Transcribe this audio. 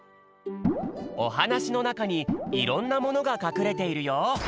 おはなしのなかにいろんなものがかくれているよ。